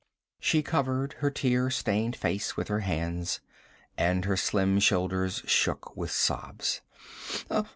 She covered her tear stained face with her hands, and her slim shoulders shook with sobs.